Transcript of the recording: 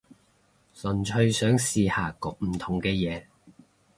純粹想試下焗唔同嘅嘢